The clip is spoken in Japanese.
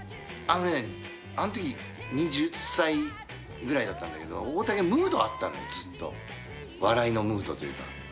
あのねあんとき２０歳くらいだったんだけど大竹ムードあったのよずっと笑いのムードというか。